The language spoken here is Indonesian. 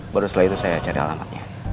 baru setelah itu saya cari alamatnya